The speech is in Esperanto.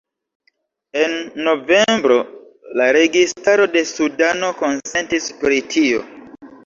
En novembro la registaro de Sudano konsentis pri tio.